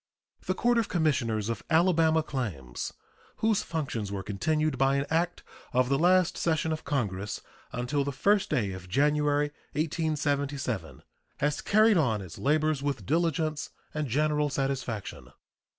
The Court of Commissioners of Alabama Claims, whose functions were continued by an act of the last session of Congress until the 1st day of January, 1877, has carried on its labors with diligence and general satisfaction.